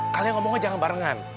kalian ngomongnya jangan barengan